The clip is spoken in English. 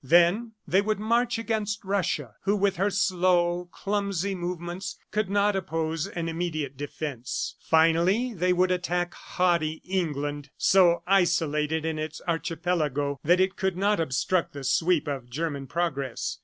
Then they would march against Russia, who with her slow, clumsy movements could not oppose an immediate defense. Finally they would attack haughty England, so isolated in its archipelago that it could not obstruct the sweep of German progress.